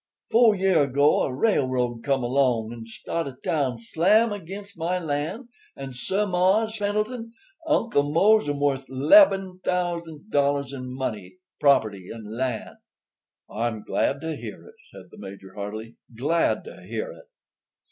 Fo' year ago a railroad come along and staht a town slam ag'inst my lan', and, suh, Mars' Pendleton, Uncle Mose am worth leb'm thousand dollars in money, property, and lan'." "I'm glad to hear it," said the Major heartily. "Glad to hear it."